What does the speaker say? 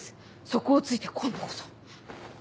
そこを突いて今度こそ。